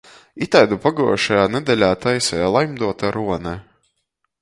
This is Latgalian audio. Ituodu paguojušajā nedeļā taiseja Laimdota Rone.